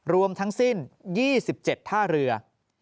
รวมทั้งสิ้น๒๗ท่าเรือ